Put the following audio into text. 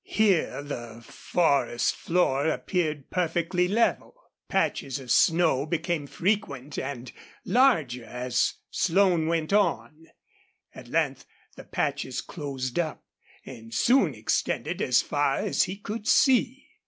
Here the forest floor appeared perfectly level. Patches of snow became frequent, and larger as Slone went on. At length the patches closed up, and soon extended as far as he could see.